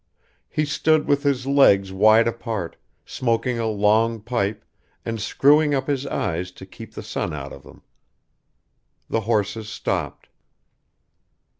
He stood with his legs wide apart, smoking a long pipe and screwing up his eyes to keep the sun out of them. The horses stopped.